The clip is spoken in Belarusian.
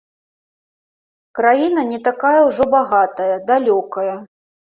Краіна не такая ўжо багатая, далёкая.